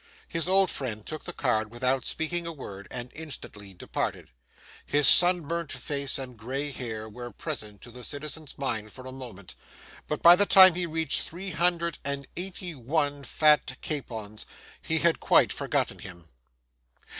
His old friend took the card without speaking a word, and instantly departed. His sunburnt face and gray hair were present to the citizen's mind for a moment; but by the time he reached three hundred and eighty one fat capons, he had quite forgotten him.